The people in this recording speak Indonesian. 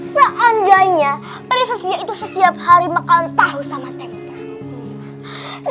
seandainya prinses lia itu setiap hari makan tahu sama tegita